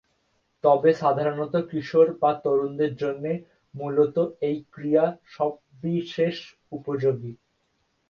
তবে সাধারণতঃ কিশোর বা তরুণদের জন্যে মূলতঃ এ ক্রীড়া সবিশেষ উপযোগী।